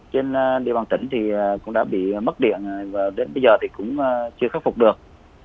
trên địa bàn tỉnh thì cũng đã bị mất điện và đến bây giờ thì cũng chưa khắc phục được